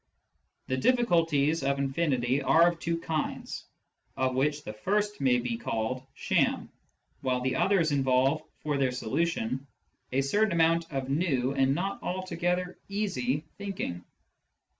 The difficulties of infinity are of two kinds, of which the first may be called sham, while the others involve, for their solution, a certain amount of new and not altogether easy thinking.